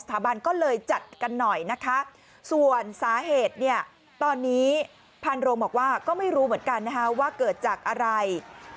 ตอนนี้พานโรงบอกว่าก็ไม่รู้เหมือนกันว่าเกิดจากอะไร